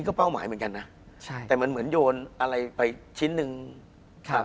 คุณผู้ชมบางท่าอาจจะไม่เข้าใจที่พิเตียร์สาร